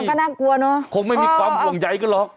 ก็น่ากลัวเนอะคงไม่มีความห่วงใยกันหรอก